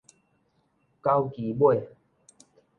九支尾